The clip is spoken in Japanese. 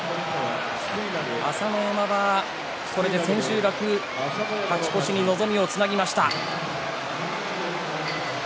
朝乃山はこれで千秋楽勝ち越しに望みをつなぎました。